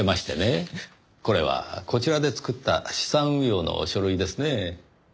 これはこちらで作った資産運用の書類ですね？